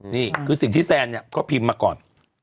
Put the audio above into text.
นี่คือสิ่งที่แซนเนี่ยก็พิมพ์มาก่อน